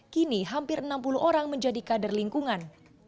kini hampir enam puluh orang menjadi kader lingkungan